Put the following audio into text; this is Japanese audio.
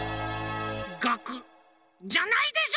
ガクッじゃないでしょ